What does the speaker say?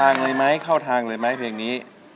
อันนี้เสียตแรงไหมเพลงนี้